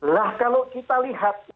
lah kalau kita lihat